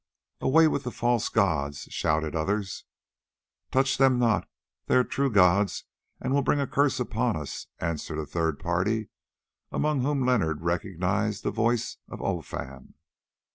"Away with the false gods!" shouted others. "Touch them not, they are true gods and will bring a curse upon us!" answered a third party, among whom Leonard recognised the voice of Olfan.